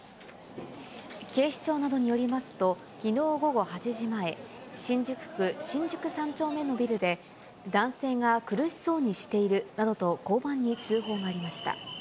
警視庁などによりますと、きのう午後８時前、新宿区新宿３丁目のビルで、男性が苦しそうにしているなどと交番に通報がありました。